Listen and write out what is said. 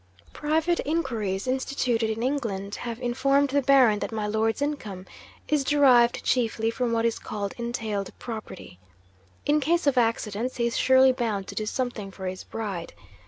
'Private inquiries, instituted in England, have informed the Baron that my Lord's income is derived chiefly from what is called entailed property. In case of accidents, he is surely bound to do something for his bride?